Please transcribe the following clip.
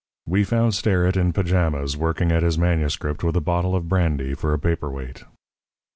"We found Sterrett in pajamas working at his manuscript with a bottle of brandy for a paper weight.